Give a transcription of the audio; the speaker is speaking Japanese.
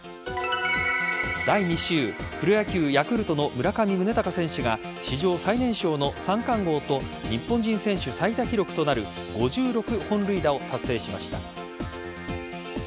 第２週プロ野球ヤクルトの村上宗隆選手が史上最年少の三冠王と日本人選手最多記録となる５６本塁打を達成しました。